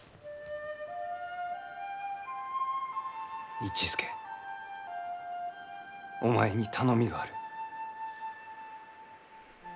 市助お前に頼みがある。